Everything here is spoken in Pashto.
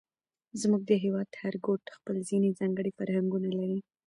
زموږ د هېواد هر ګوټ خپل ځېنې ځانګړي فرهنګونه لري،